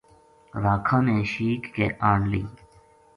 راکھاں نے شیک کے آن لئی